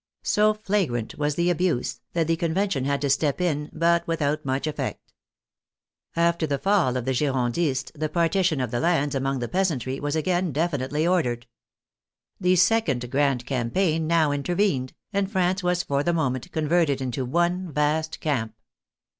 So fla grant was the abuse, that the Convention had to step in, but without much effect. After the fall of the Giron dists the partition of the lands among the peasantry was again definitely ordered. The second grand campaign now intervened, and France was for the moment con verted into one vast camp.